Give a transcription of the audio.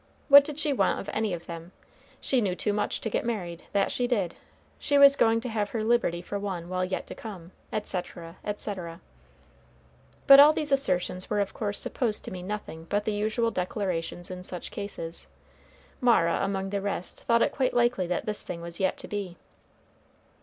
What did she want of any of them? She knew too much to get married, that she did. She was going to have her liberty for one while yet to come, etc., etc.; but all these assertions were of course supposed to mean nothing but the usual declarations in such cases. Mara among the rest thought it quite likely that this thing was yet to be.